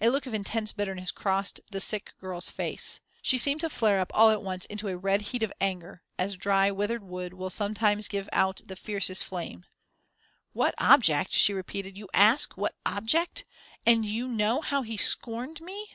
A look of intense bitterness crossed the sick girl's face. She seemed to flare up all at once into a red heat of anger, as dry, withered wood will sometimes give out the fiercest flames. "What object!" she repeated. "You ask what object! and you know how he scorned me!